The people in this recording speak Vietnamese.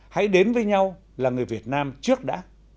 hãy đến với nhau là người việt nam trước đã